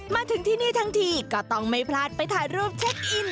มาถึงที่นี่ทั้งทีก็ต้องไม่พลาดไปถ่ายรูปเช็คอิน